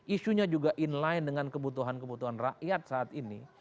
isunya juga inline dengan kebutuhan kebutuhan rakyat saat ini